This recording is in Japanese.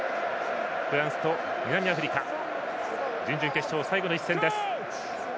フランスと南アフリカ準々決勝最後の一戦です。